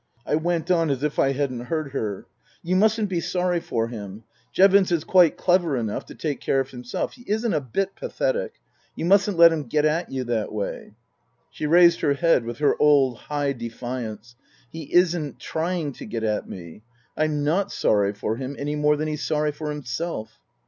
I went on as if I hadn't heard her :" You mustn't be sorry for him. Jevons is quite clever enough to take care of himself. He isn't a bit pathetic. You mustn't let him get at you that way." She raised her head with her old, high defiance. " He isn't trying to get at me. I'm not sorry for him any more than he's sorry for himself."